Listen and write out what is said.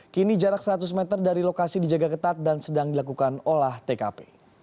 kini jarak seratus meter dari lokasi dijaga ketat dan sedang dilakukan olah tkp